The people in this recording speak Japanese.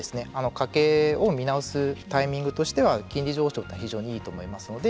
家計を見直すタイミングとしては金利上昇というのは非常にいいと思いますので。